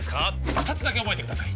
二つだけ覚えてください